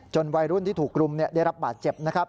วัยรุ่นที่ถูกรุมได้รับบาดเจ็บนะครับ